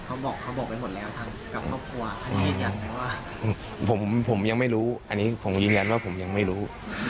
เขาบอกเขาบอกไปหมดแล้วทางกับครอบครัวเขายืนยันว่าผมผมยังไม่รู้อันนี้ผมยืนยันว่าผมยังไม่รู้